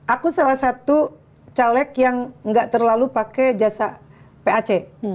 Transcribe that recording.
aku salah satu caleg yang nggak terlalu pakai jasa pac